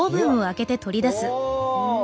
お！